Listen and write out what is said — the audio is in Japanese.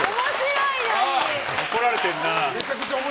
怒られてるな。